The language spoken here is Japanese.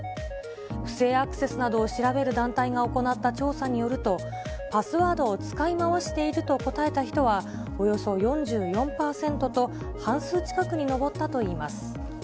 不正アクセスなどを調べる団体が行った調査によると、パスワードを使い回していると答えた人はおよそ４４％と、半数近くに上ったといいます。